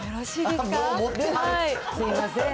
すみません。